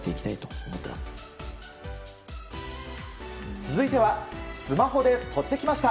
続いてはスマホで撮ってきました！